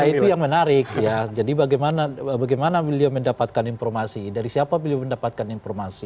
itu yang menarik jadi bagaimana milia mendapatkan informasi dari siapa milia mendapatkan informasi